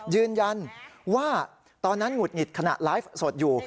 ยืนยันว่าตอนนั้นหงุดหงิดขณะไลฟ์สดอยู่